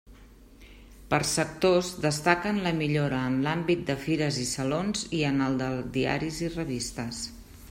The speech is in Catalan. Per sectors, destaquen la millora en l'àmbit de fires i salons i en el de diaris i revistes.